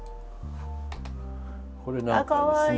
これなんかですね。